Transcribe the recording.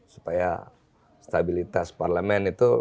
supaya stabilitas parlemen itu